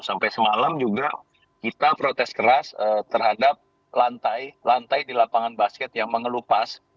sampai semalam juga kita protes keras terhadap lantai di lapangan basket yang mengelupas